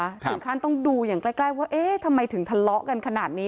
ถึงขั้นต้องดูอย่างใกล้ว่าเอ๊ะทำไมถึงทะเลาะกันขนาดนี้